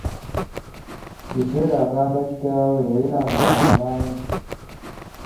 Biseera agamba kitaabwe yalina amasabo mangi.